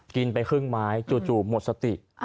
กินไปครึ่งไม้จู่หมดสติ